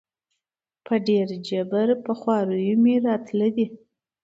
په ډېر جبر په خواریو مي راتله دي